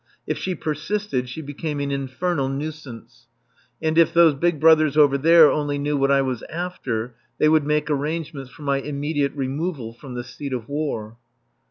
If she persisted she became an infernal nuisance. And if those big brothers over there only knew what I was after they would make arrangements for my immediate removal from the seat of war.